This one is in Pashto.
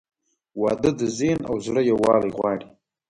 • واده د ذهن او زړه یووالی غواړي.